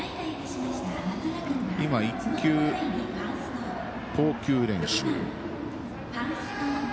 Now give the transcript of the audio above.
１球、投球練習。